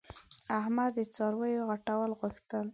احمد د څارویو غټول غوښتل.